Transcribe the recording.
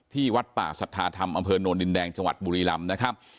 วัดป่าสัทธาธรรมอำเภอโนนดินแดงจังหวัดบุรีลำนะครับ